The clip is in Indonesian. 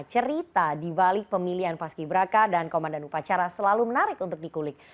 cerita di balik pemilihan paski braka dan komandan upacara selalu menarik untuk dikulik